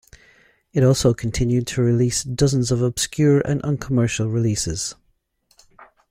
It also continued to release dozens of obscure and uncommercial releases.